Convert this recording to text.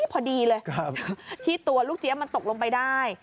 พอดีเลยที่ตัวลูกเจี๊ยบมันตกลงไปได้